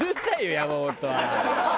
山本は。